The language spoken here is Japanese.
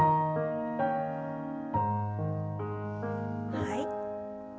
はい。